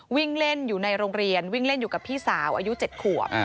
วิ่งเล่นอยู่ในโรงเรียนวิ่งเล่นอยู่กับพี่สาวอายุ๗ขวบ